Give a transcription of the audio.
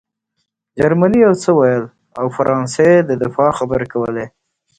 جرمني یو څه ویل او فرانسې د دفاع خبرې کولې